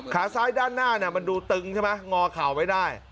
ขาซ้ายด้านหน้ามันดูตึงใช่ไหมงอเข่าไว้ได้